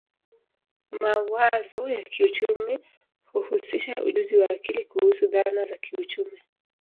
Mawazo ya kiuchumi huhusisha ujuzi wa akili kuhusu dhana za kiuchumi